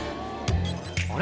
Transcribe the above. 「あれ？